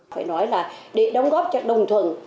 phải nói là để đóng góp cho đồng thuận